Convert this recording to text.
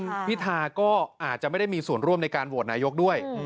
คุณพิธาก็อาจจะไม่ได้มีส่วนร่วมในการโหวตนายกด้วย